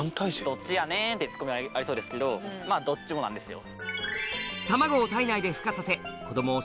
どっちやねん！ってツッコミありそうですけどどっちもなんですよ。